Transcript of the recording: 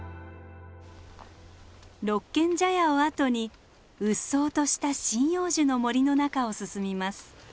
六軒茶屋を後にうっそうとした針葉樹の森の中を進みます。